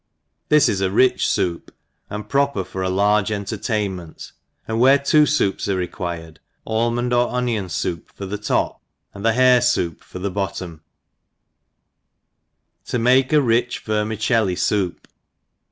This is a rich foup, and proper for a large entertainment ; aod where two foups are required, almond or onion foup for the top, and the hare foup for the bottom. m To make a rich Vermicelli Soup.